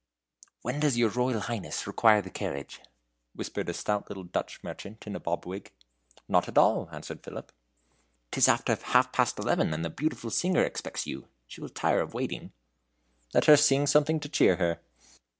"When does your Royal Highness require the carriage?" whispered a stout little Dutch merchant in a bob wig. "Not at all," answered Philip. "'Tis after half past eleven, and the beautiful singer expects you. She will tire of waiting." "Let her sing something to cheer her."